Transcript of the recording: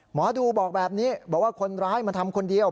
หมอดูบอกแบบนี้บอกว่าคนร้ายมันทำคนเดียว